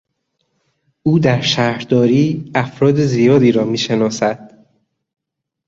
او در شهرداری افراد زیادی را میشناسد.